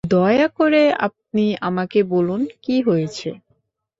দয়া করে আপনি আমাকে বলুন, কী হয়েছে।